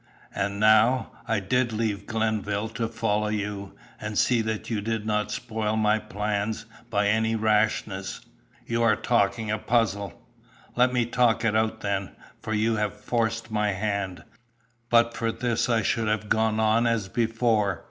"And now, I did leave Glenville to follow you, and see that you did not spoil my plans by any rashness." "You are talking a puzzle!" "Let me talk it out then, for you have forced my hand. But for this I should have gone on as before.